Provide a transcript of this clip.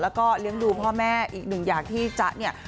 แล้วก็เลี้ยงดูพ่อแม่อีกหนึ่งอย่างที่จ๊ะเนี่ย